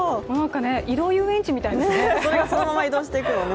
移動遊園地みたいですね。